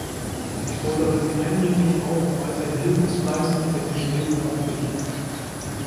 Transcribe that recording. Ich fordere sie eindringlich auf, weiterhin Hilfe zu leisten, wenn die Chinesen darum bitten.